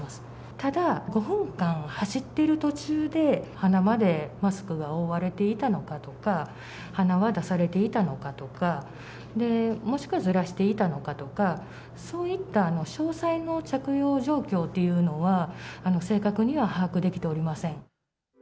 ただ５分間走っている途中で、鼻までマスクが覆われていたのかとか、鼻は出されていたのかとか、もしくはずらしていたのかとか、そういった詳細の着用状況というのは、正確には把握できておりません。